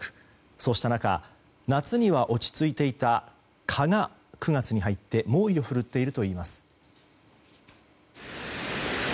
そうした中夏には落ち着いていた蚊が９月に入って猛威を振るっているといいます。